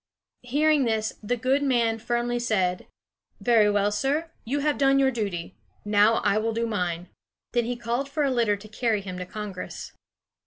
Hearing this, the good man firmly said: "Very well, sir; you have done your duty; now I will do mine." Then he called for a litter to carry him to Congress.